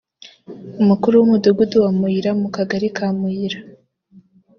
umukuru w’Umudugudu wa Muyira mu kagari ka Muyira